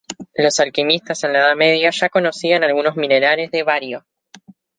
Los alquimistas en la Edad Media ya conocían algunos minerales de bario.